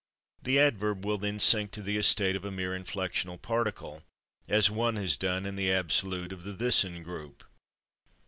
The adverb will then sink to the estate of a mere inflectional particle, as /one/ has done in the absolutes of the /thisn/ group.